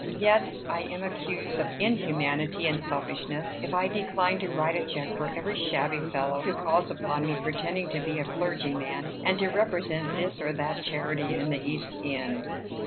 Yet I am accused of inhumanity and selfishness if I decline to write a check for every shabby fellow who calls upon me pretending to be a clergyman, and to represent this or that charity in the East End!"